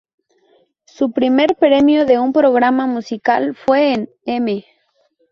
Su primer premio de un programa musical fue en "M!